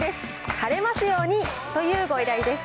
晴れますようにというご依頼です。